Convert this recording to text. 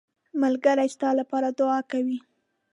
ملګری ستا لپاره دعا کوي